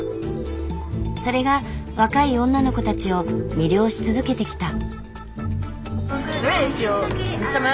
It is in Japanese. それが若い女の子たちを魅了し続けてきた。